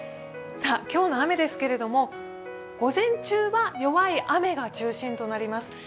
今日の雨ですけど、午前中は弱い雨が中心となります。